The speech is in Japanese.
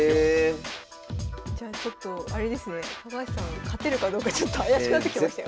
じゃあちょっとあれですね高橋さん勝てるかどうかちょっと怪しくなってきましたよ。